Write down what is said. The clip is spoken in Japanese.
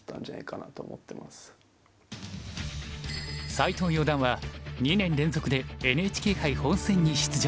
斎藤四段は２年連続でＮＨＫ杯本戦に出場。